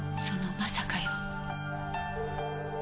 その「まさか」よ。